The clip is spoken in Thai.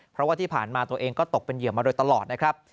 เพราะว่าที่ผ่านมาตัวเองก็ตกเป็นเหยื่อมาโดยตลอดนะครับ